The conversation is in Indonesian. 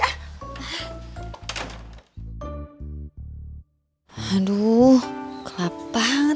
aduh ke bri pisang